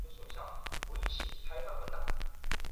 你赶快出发